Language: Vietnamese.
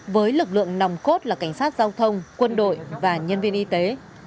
với lực lượng nòng cốt là cảnh sát giao thông quân đội và nhân viên y tế